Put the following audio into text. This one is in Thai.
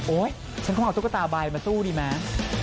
โอ้ยฉันคงเอาตุ๊กตาบายมาตู้ดีมาก